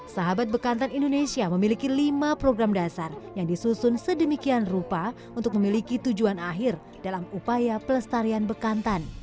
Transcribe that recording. sahabat bekantan indonesia memiliki lima program dasar yang disusun sedemikian rupa untuk memiliki tujuan akhir dalam upaya pelestarian bekantan